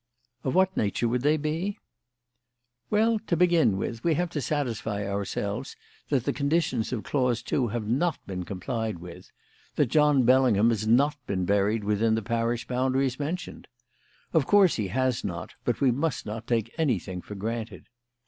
"Of what nature would they be?" "Well, to begin with, we have to satisfy ourselves that the conditions of clause two have not been complied with: that John Bellingham has not been buried within the parish boundaries mentioned. Of course he has not, but we must not take anything for granted.